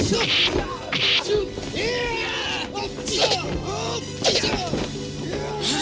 kau bisa lihat kendaraanmu